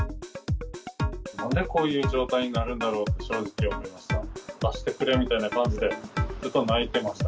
なんでこういう状態になるんだろうって、正直思いました。